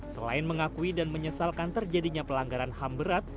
selain mengakui dan menyesalkan terjadinya pelanggaran ham berat